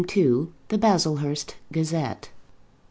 THE BASLEHURST GAZETTE.